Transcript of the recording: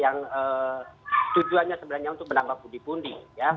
yang tujuannya sebenarnya untuk menambah pundi pundi